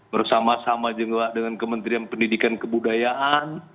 bersama sama juga dengan kementerian pendidikan kebudayaan